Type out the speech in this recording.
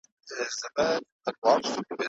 پای تل د انسان پوښتني خلاصې پرېږدي بې ځوابه.